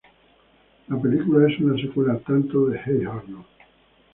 La película es una secuela tanto de Hey Arnold!